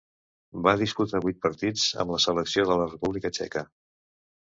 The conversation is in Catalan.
Va disputar vuit partits amb la selecció de la República Txeca.